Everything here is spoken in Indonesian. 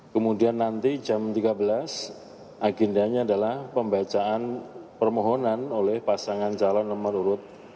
kemudian nanti jam tiga belas agendanya adalah pembacaan permohonan oleh pasangan calon nomor urut dua